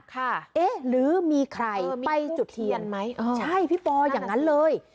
ค่ะเอ๊ะหรือมีใครไปจุดเทียนใช่พี่ปอล์อย่างนั้นเลย